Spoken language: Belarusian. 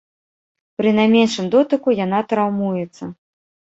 Пры найменшым дотыку яна траўмуецца.